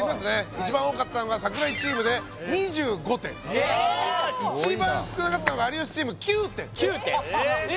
一番多かったのが櫻井チームで２５点一番少なかったのが有吉チーム９点９点少ないねえ